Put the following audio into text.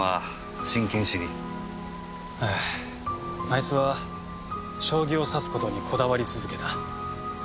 あいつは将棋を指す事にこだわり続けた。